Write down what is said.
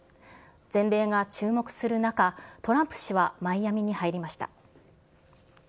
全米が注目する中、トランプ氏はマイアミに入りました。